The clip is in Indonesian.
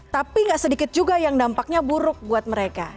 tapi nggak sedikit juga yang dampaknya buruk buat mereka